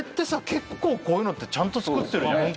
結構こういうのってちゃんと作ってるじゃん？